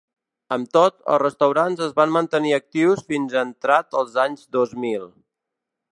Amb tot, els restaurants es van mantenir actius fins entrat els anys dos mil.